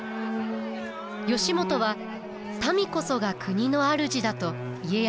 義元は民こそが国の主だと家康に教えました。